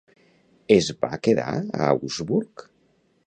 Es van quedar a Augsburg?